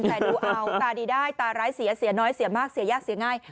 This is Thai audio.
แต่ดูเอาตาดีได้ตาร้ายเสียเสียน้อยเสียมากเสียยากเสียง่าย